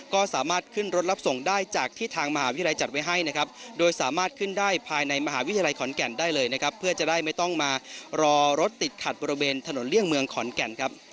ก็สามารถขึ้นรถรับส่งได้จากที่ทางมหาวิทยาลัยจัดไว้ให้นะครับโดยสามารถขึ้นได้ภายในมหาวิทยาลัยขอนแก่นได้เลยนะครับเพื่อจะได้ไม่ต้องมารอรถติดขัดบริเวณถนนเลี่ยงเมืองขอนแก่นครับ